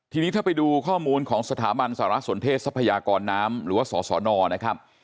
ทีนี้ถ้าไปดูข้อมูลของสถาบันสารสนเทศทรัพยากรน้ำหรือว่าสสนนะครับ